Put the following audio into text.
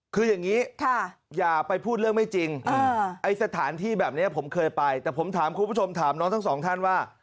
คืออย่างนี้อย่าไปพูดเรื่องไม่จริงไอ้สถานที่แบบนี้ผมเคยไปแต่ผมถามคุณผู้ชมถามน้องทั้งสองท่านว่า